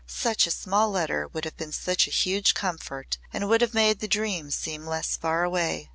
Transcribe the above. Such a small letter would have been such a huge comfort and would have made the dream seem less far away.